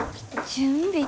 準備？